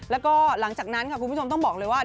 แล้วก็หลังจากนั้นค่ะคุณผู้ชมต้องบอกเลยว่า